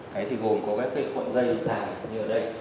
thế thì gồm có các cái cuộn dây dài như ở đây